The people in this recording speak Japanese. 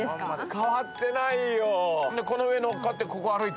変わってないよ。